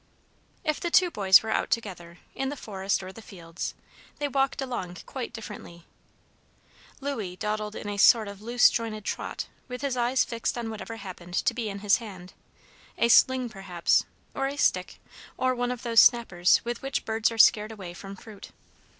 If the two boys were out together, in the forest or the fields, they walked along quite differently. Louis dawdled in a sort of loose jointed trot, with his eyes fixed on whatever happened to be in his hand, a sling, perhaps, or a stick, or one of those snappers with which birds are scared away from fruit.